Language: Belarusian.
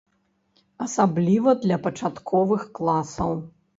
Асабліва для пачатковых класаў.